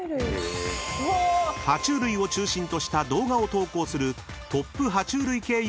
［爬虫類を中心とした動画を投稿する］